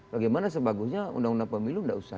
bagaimana sebagusnya undang undang pemilu tidak usah